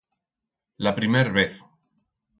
La primer vez.